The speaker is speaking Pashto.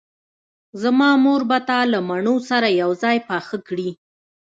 زما مور به تا له مڼو سره یوځای پاخه کړي